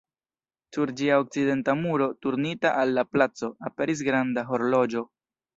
Sur ĝia okcidenta muro, turnita al la placo, aperis granda horloĝo.